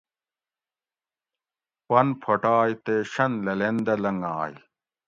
پن پھوٹائے تے شۤن لھلین دہ لنگائی